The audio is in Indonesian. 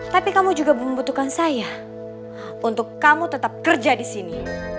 tapi kamu juga membutuhkan saya untuk kamu tetap kerja di sini